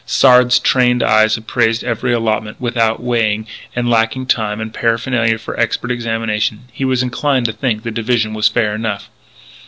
Sard's trained eyes appraised every allotment. Without weighing, and, lacking time and paraphernalia for expert examination, he was inclined to think the division fair enough.